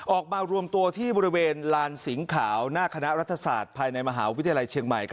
ออกมารวมตัวที่บริเวณลานสิงขาวหน้าคณะรัฐศาสตร์ภายในมหาวิทยาลัยเชียงใหม่